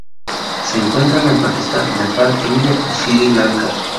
Se encuentran en Pakistán, Nepal, India y Sri Lanka.